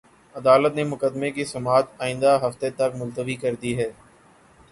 عدالت نے مقدمے کی سماعت آئندہ ہفتے تک ملتوی کر دی ہے